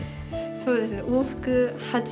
そうですね。